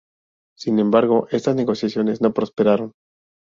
Sin embargo, estas negociaciones no prosperaron.